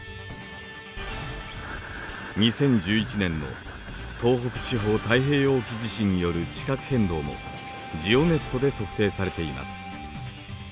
２０１１年の東北地方太平洋沖地震による地殻変動もＧＥＯＮＥＴで測定されています。